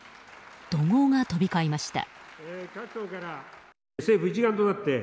怒号が飛び交いました。